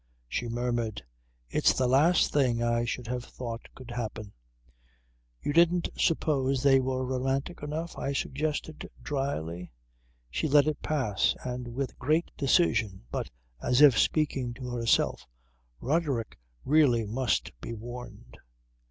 She murmured: "It's the last thing I should have thought could happen." "You didn't suppose they were romantic enough," I suggested dryly. She let it pass and with great decision but as if speaking to herself, "Roderick really must be warned."